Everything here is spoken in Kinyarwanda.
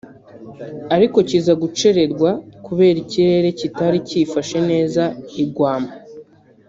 ariko kiza gucererwa kubera ikirere kitari cifashe neza i Guam